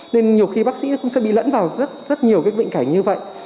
nên nhiều khi bác sĩ cũng sẽ bị lẫn vào rất nhiều bệnh cảnh như vậy